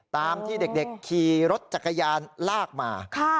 ตามที่เด็กขี่รถจักรยานลากมา